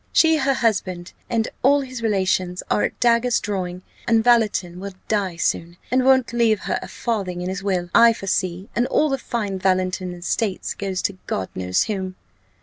She, her husband, and all his relations are at daggers drawing; and Valleton will die soon, and won't leave her a farthing in his will, I foresee, and all the fine Valleton estate goes to God knows whom!